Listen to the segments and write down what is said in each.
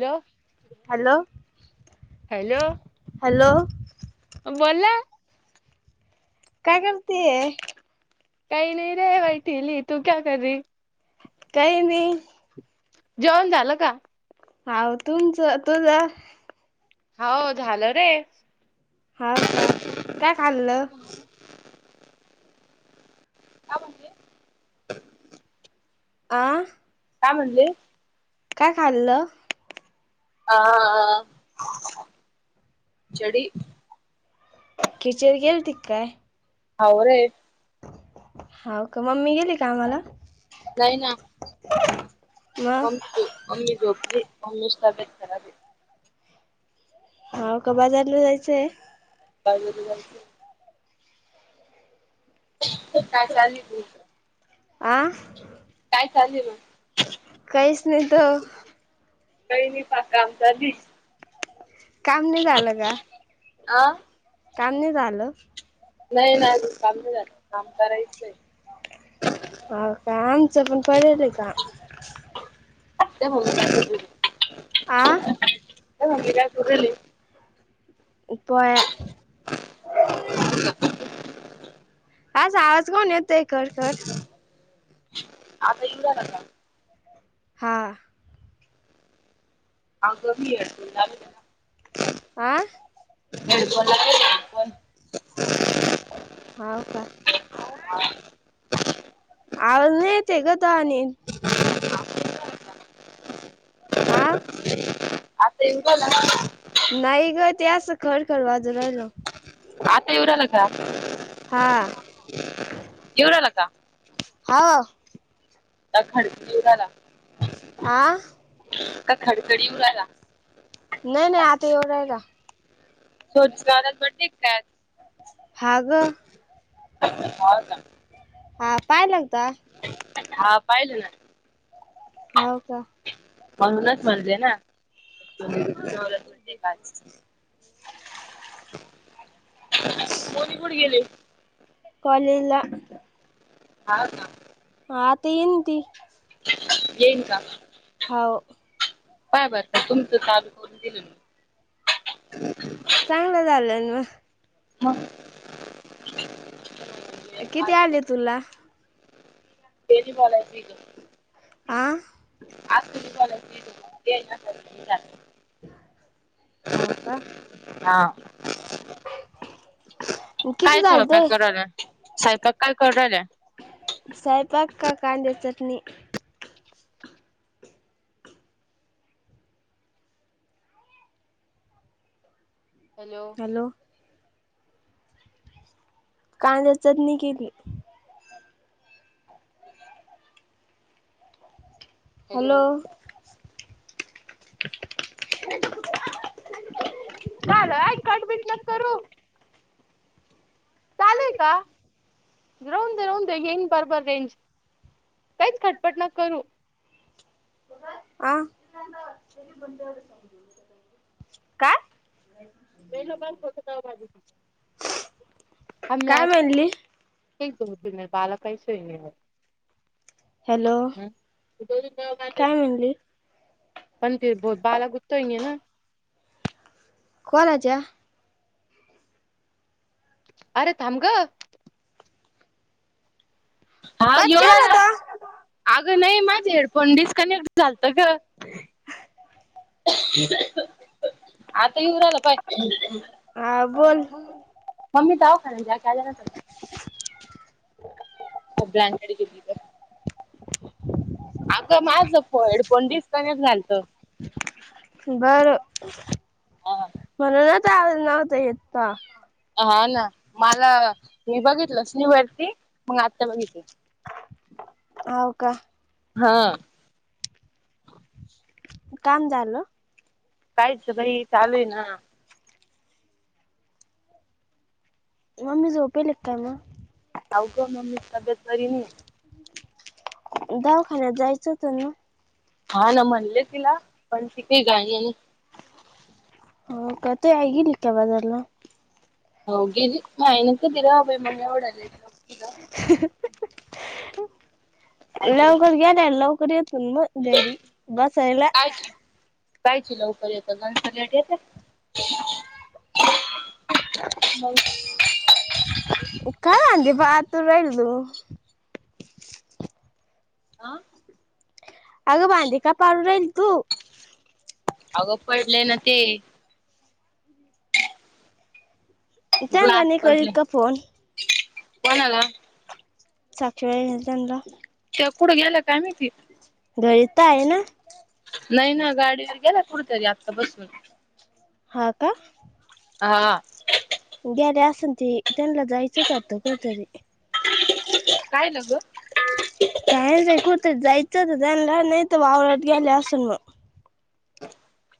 Hello hello hello hello बोला काय करतीये काही नाही रे बाैटेली तू क्या कर रही काय नाही. जेवन झालं का. हाव तुमच तुझ. हाव झालं रे. हाव का काय खाल्लं. का म्हण. आं काय म्हणले. काय खाल्लं. हा हा जडी किचर गेल त काय हो रे होा का मम्मी गेली का आम्हाला नाही ना मग मम्मी तो मम्मी झोपली आहे मम्मीची तब्येत खराब आहे हा का बाजारला जायचंय. [unintelligible] काय चालूय तुमच. आ. काय चाललय मग. काहीच नाही तर. काही नाही पा काम चालूय. काम नाही झाला का. अ काम नी झालं. नाही नाही अज काम नाही जात काम करायचं आहे. हो का आमचं पण पडेल काम. ते बोल [unintelligible] आ रारली [unintelligible] इप [unintelligible] [unintelligible] आज आवाज कोन येतोय खर खर. आता इव राहिला का. हां ह गमी, हेड फोन लावले ना. आं हेड फोन लावेल हे हेड फोन. होव का. हा. आवाज नाही येतय तुणी आणि. आ आता इव राहिला. नाही ग त्याच खरखर वाझू राहिल. आता इव राहिला का हा इव राहिला का. हा खड इव राहिला. आ का खडखडी इव राहिला. नाही नाही आता इव राहिला. रोजगारात बडे काय आज. हा ग. हो का हा पाय लागता हा पाहिलं ना हो का म्हणूनच म्हणते नाला म्हणते का हम् [inaudible] कॉलेला हा का. आता येन ती. येन का. हो काय भर तुमचं चालू करून दिलं मी चांगलं झालंय मग हा किती आले तुला तेरी मलाय क आं [inaudible] हाव का हा किती झालते [inaudible] [inaudible] हॅलो हॅलो काय नचत नाही केली हॅलो झालं काढबीट ना करू [inaudible] काहीच खटपट न करू हा वेलो ब फठ दज काय मानली एक दोन दिन बाला पैसे आहे हॅलो काय म्हणली [inaudible] [inaudible] कोणाच्या. [inaudible] हा कट येव केला आला होता अगं नाही माझे हेडफोन डिस्कनेक्ट झालत ग [inaudible] हा बोल [inaudible] अ ब्रँडडेड केली अगं माझं पड पण डिस्कनेक्ट झालतं बरं हा म्हणून त्या नव्हत येत का हा ना मला मी बघितलं स्नी वरती मग आता बघितली होव का हा काम झाल कायच बाई चालू आहे ना म मी झोपे लेकाा ना आऊ को मम्मी तब्याेत करन दावखान्यात जायचं होत ना हा ना म्हणले तिला पण तीिकही गाणी हो कते आहेगली का बदला हो गि मायनक तरा अभय म्हण एवडि ह लवकर कायची ग ना लवकर येत मग ैरी बसायला जायची लवकर येत लंचा लेट येते हो [inaudible] आं. [inaudible] अगं पडले ना ते. त्याला ग्लास नाही पडले करीत ग फोन. कोणाला? साक्षी वहिनी त्यांनला. त्या कुढं गेलं काय माहिति. घरी तर आहे ना. नाही ना गाडीवर गेला कुठतरी आत्ता बसून. हा का. हा. गेल्या असन ते त्यांना जायचंच होत कुठतरी. काय लग काय नाय कुठ जायचं होत त्यांला नाही तर वावरात गेल्या असन मग.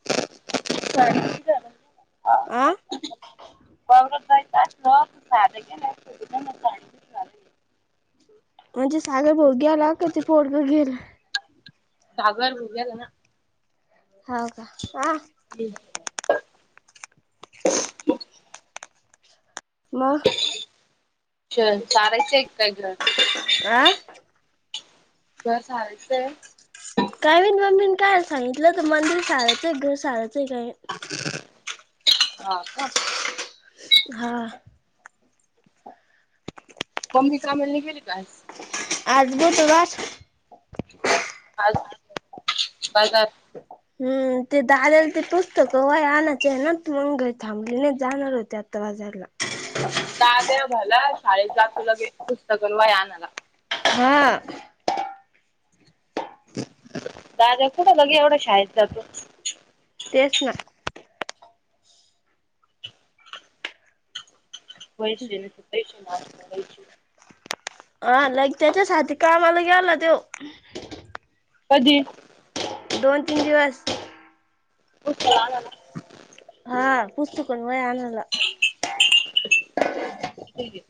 [unintelligible] आं. [unintelligible] म्हणजे सागर भाऊ गेला का ते पोरग गेल. सागर भाऊ गेला ना. हाव का, आ. [unintelligible] [unintelligible] म. च चारायचं एक काय घर. आं. तुला चारायचय. काय माहित मम्मीन काय सांगितलं तुम्हाला साराचंय घर साराचं आहे काय? हा का. हा. मम्मी कामाला नाही गेली का आज? आज बुधवार आज, [unintelligible] हम्म ते दादला ते पुस्तक वह्या आणायचे आहे ना म्हणून घ थांबली नाय जाणार होते आत्ता बाजाराला. दाद्या भला शाळेत जातू लगेच पुस्तक न वया आणायला. हा. दादा कुठ बघे एवढं शाळेत जातो. तेच ना. [unintelligible] हा लाईक त्याच्यासाठी कामाला गेला त्यो. कधी? दोन तीन दिवस. [unintelligible] हा पुस्तक न वया आणनायला. आहे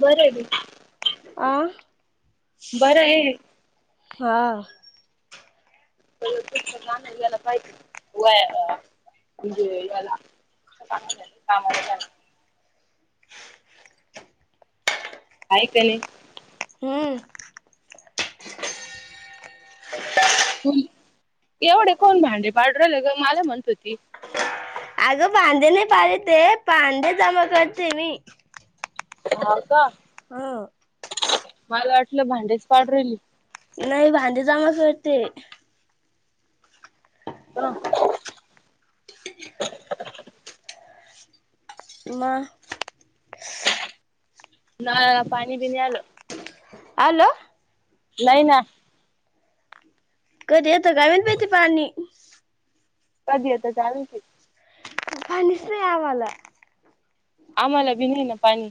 बरं आं बरं आहे हा ला पा म्हज येला का कामालाे काय केलंय? हम्म. [unintelligible] एवढे कोण भांडे पाडून राहिले ग मला म्हणत होती. अगं भांडे नाही पाळी ते काय पांदे जमा करते मी. हाव का. अ. मला वाटलं भांडेच पाडून राहिली. नाही भांधी चांग फडते ह म ना पाणी बी नाही आलं हॅलो नाही ना कधी आता गावी पती पाणी कधीता चाल क फणीस नाही आवाला आम्हाला बि नाही ना पाणी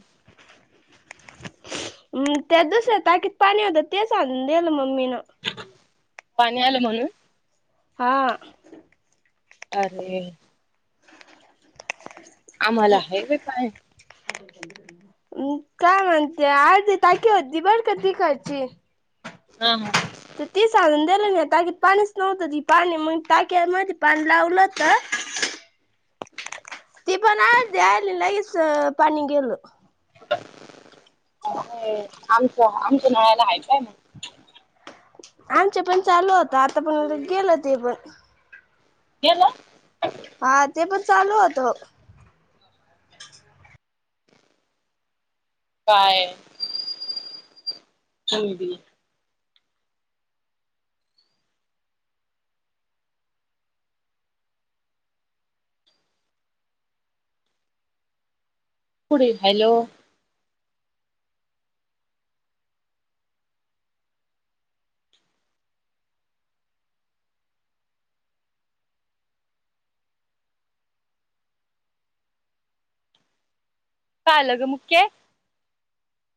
हम् त्याच दुसर ताकीद पाणी होतं तेच आणून दिलं मम्मी ना पाणी आलं म्हणून हा अरे आम्हाला ह व पाय ् काय म्हणते अर्धी टाकी होती बर क ती खची हम तर ती सांधून दिले नाही ताकीत पाणीच नव्हतं ती पाणी ताक्या मध्ये पाणी लावलं तर तीपणा जललास पण केलू अरे आमचं आमचं नळायला हयचय मग आमच्या पण चालू होत आता पण गेलं ते पण केल हा ते पण चालूत काय ह पु हॅलो पालक मुख्य